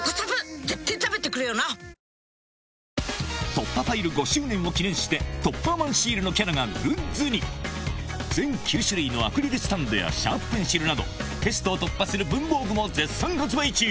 『突破ファイル』５周年を記念してトッパーマンシールのキャラがグッズに全９種類のアクリルスタンドやシャープペンシルなどテストを突破する文房具も絶賛発売中！